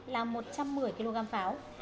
là một trăm một mươi kg pháo